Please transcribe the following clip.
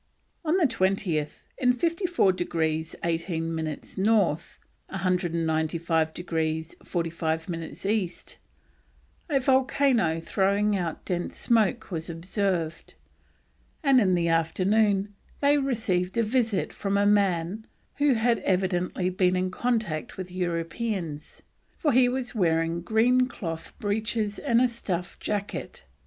On the 20th, in 54 degrees 18 minutes North, 195 degrees 45 minutes East, a volcano throwing out dense smoke was observed; and in the afternoon they received a visit from a man who had evidently been in contact with Europeans, for he was wearing green cloth breeches and a stuff jacket.